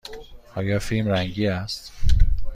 آیا فیلم رنگی است؟